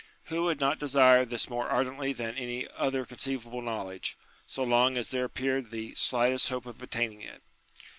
Who would not desire this more ardently than any other conceivable knowledge, so long as there appeared the slightest hope of attaining it